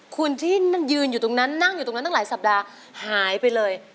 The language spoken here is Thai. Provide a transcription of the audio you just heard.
คุณที่มันยืนอยู่ตรงนั้นนั่งอยู่ตรงนั้นตั้งหลายสัปดาห์หายไปเลย